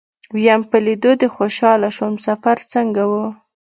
ويم په ليدو دې خوشاله شوم سفر څنګه و.